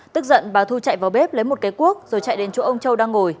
tức giận bà thu chạy vào bếp lấy một cái cuốc rồi chạy đến chỗ ông châu đang ngồi